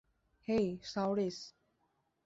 হেই, সাওরিস।